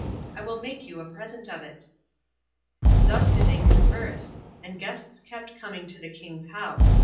I will make you a present of it." Thus did they converse [and guests kept coming to the king's house.